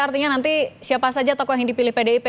artinya nanti siapa saja tokoh yang dipilih pdip